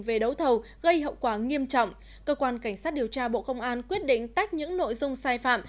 về đấu thầu gây hậu quả nghiêm trọng cơ quan cảnh sát điều tra bộ công an quyết định tách những nội dung sai phạm